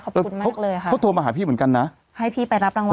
เขาไปพกเลยค่ะเขาโทรมาหาพี่เหมือนกันนะให้พี่ไปรับราวั